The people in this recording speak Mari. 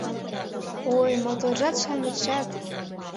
Ой, моторжат-шамычшат!